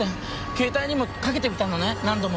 携帯にもかけてみたのね何度も。